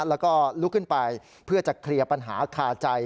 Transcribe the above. แล้วก็ลุกขึ้นไปเพื่อจะเคลียร์ปัญหาคาใจ